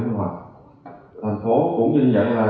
thành phố cũng nhận nhận